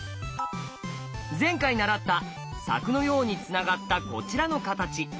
前回習った柵のようにつながったこちらの形。